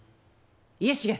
家重！